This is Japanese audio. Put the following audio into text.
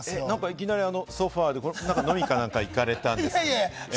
いきなりソファで、飲みに行かれたんですか？